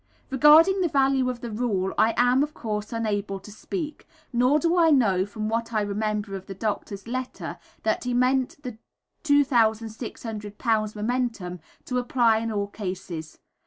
Regarding the value of the rule, I am, of course, unable to speak; nor do I know, from what I remember of the doctor's letter, that he meant the 2600 lbs. momentum to apply in all cases.